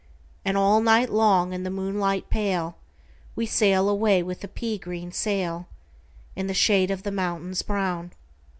And all night long, in the moonlight pale, We sail away with a pea green sailIn the shade of the mountains brown."